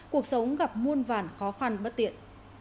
cuộc sống gặp muôn vàn khó khăn bất tiện